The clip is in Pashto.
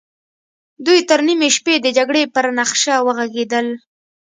دوی تر نيمې شپې د جګړې پر نخشه وغږېدل.